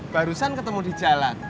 barusan ketemu di jalan